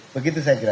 begitu saya kira